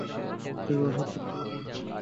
তবে এবার হাত কাটতে পারেনি।